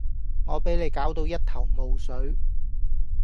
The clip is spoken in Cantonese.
我比你攪到一頭霧水